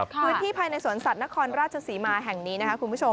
พื้นที่ภายในสวนสัตว์นครราชศรีมาแห่งนี้นะครับคุณผู้ชม